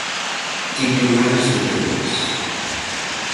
Titulares de Beiras.